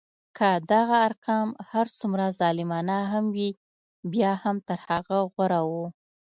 که دغه ارقام هر څومره ظالمانه هم وي بیا هم تر هغه غوره وو.